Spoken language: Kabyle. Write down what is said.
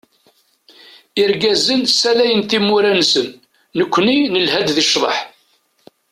Irgazen salayen timura-nsen, nekkni nelha-d di cḍeḥ.